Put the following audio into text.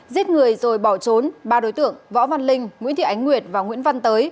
giết người rồi bỏ trốn ba đối tượng võ văn linh nguyễn thị ánh nguyệt và nguyễn văn tới